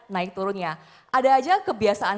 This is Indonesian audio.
naik turunnya ada aja kebiasaan